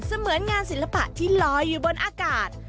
เหมือนงานศิลปะที่ลอยอยู่บนอากาศ